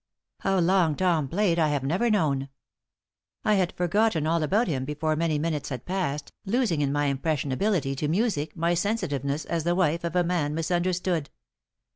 How long Tom played I have never known. I had forgotten all about him before many minutes had passed, losing in my impressionability to music my sensitiveness as the wife of a man misunderstood.